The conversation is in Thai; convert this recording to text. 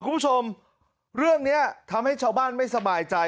คุณผู้ชมเรื่องนี้ทำให้ชาวบ้านไม่สบายใจ